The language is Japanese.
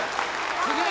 すげえ！